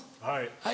はい。